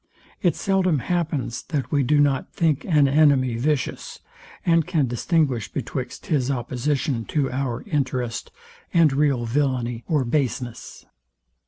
It seldom happens, that we do not think an enemy vicious, and can distinguish betwixt his opposition to our interest and real villainy or baseness.